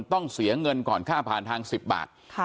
ต้องเสียเงินก่อนค่าผ่านทาง๑๐บาท